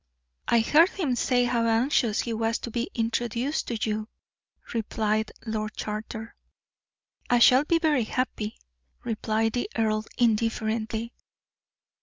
"I heard him say how anxious he was to be introduced to you," replied Lord Charter. "I shall be very happy," replied the earl, indifferently.